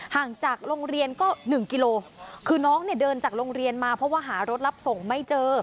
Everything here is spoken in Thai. ห่างจากโรงเรียนก็หนึ่งกิโลคือน้องเนี่ยเดินจากโรงเรียนมาเพราะว่าหารถรับส่งไม่เจอ